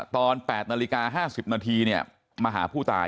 ตอน๘นาฬิกา๕๐นาทีมาหาผู้ตาย